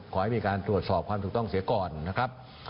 ขอให้มีการตรวจสอบความถูกต้องเสียก่อนนะครับ